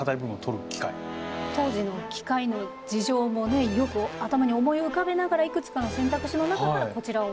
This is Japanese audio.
当時の機械の事情もねよく頭に思い浮かべながらいくつかの選択肢の中からこちらを。